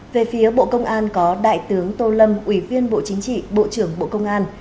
về phía bộ công an có đại tướng tô lâm ủy viên bộ chính trị bộ trưởng bộ công an